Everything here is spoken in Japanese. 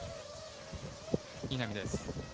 稲見です。